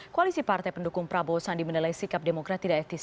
koalisi partai pendukung prabowo sandi menilai sikap demokrat tidak etis